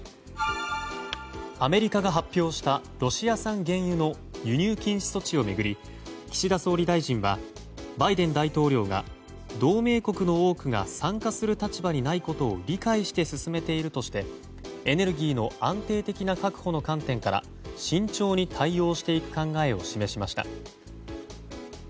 アメリカが発表したロシア産原油の輸入禁止措置を巡り岸田総理大臣はバイデン大統領が同盟国の多くが参加する立場にないことを理解して進めているとしてエネルギーの安定的な確保の観点から慎重に対応していく考えを示しました。